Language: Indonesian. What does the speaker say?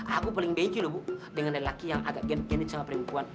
aku paling baik juga dengan laki yang agak geng geng sama perempuan